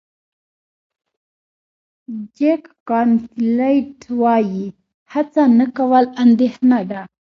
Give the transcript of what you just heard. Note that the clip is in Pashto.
جک کانفیلډ وایي هڅه نه کول اندېښنه ده.